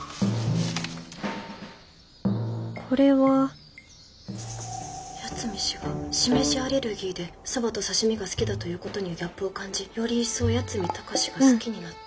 これは八海氏がしめじアレルギーで蕎麦と刺身が好きだということにギャップを感じより一層八海崇が好きになった。